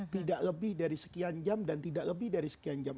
tidak lebih dari sekian jam dan tidak lebih dari sekian jam